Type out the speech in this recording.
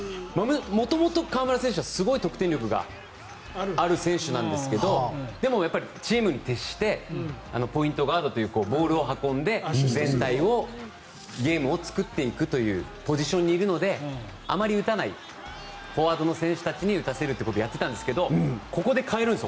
元々、河村選手はすごい得点力がある選手なんですけどでも、チームに徹してポイントガードというボールを運んで全体をゲームを作っていくというポジションにいるのであまり打たないフォワードの選手たちに打たせるということをやっていたんですけどここで変えるんです